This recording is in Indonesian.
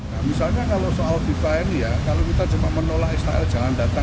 nah misalnya kalau soal fifa ini ya kalau kita cuma menolak israel jangan datang